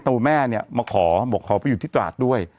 ตัวแม่มาขอบอกเขาไปอยู่ที่จอดด้วย